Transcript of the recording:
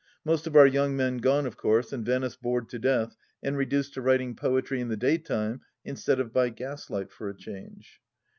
Most of our young men gone, of course, and Venice bored to death, and reduced to writing poetry in the daytime instead of by gaslight for a change.